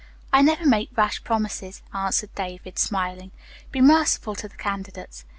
"I never make rash promises," answered David, smiling. "Be merciful to the candidates."